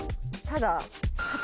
ただ。